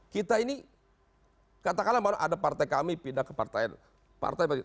kita ini katakanlah ada partai kami pindah ke partai partai